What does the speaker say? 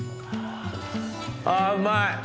あうまい！